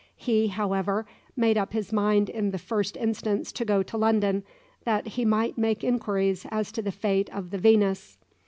He, however, made up his mind in the first instance to go to London, that he might make inquiries as to the fate of the "Venus."